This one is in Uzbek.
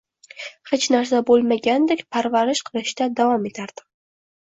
Hech narsa boʻlmagandek parvarish qilishda davom etardim